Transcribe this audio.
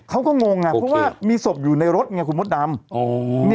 งงเพราะว่ามีศพอยู่ในรถไงคุณมดดำ